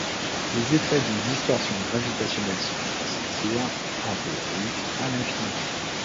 Les effets d'une distorsion gravitationnelle se font ressentir, en théorie, à l'infini.